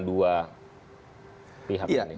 dua pihak ini